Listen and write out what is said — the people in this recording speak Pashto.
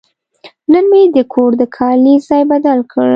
نن مې د کور د کالي ځای بدل کړ.